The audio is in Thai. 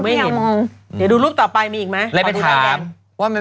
เดี๋ยวดูรูปต่อไปมีอีกมั้ย